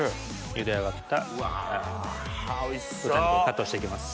ゆで上がった豚肉をカットしていきます。